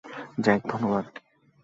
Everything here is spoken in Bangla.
জ্যাক, ধন্যবাদ।